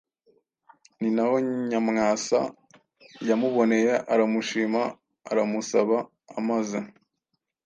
Ni na ho Nyamwasa yamuboneye aramushima aramusaba. Amaze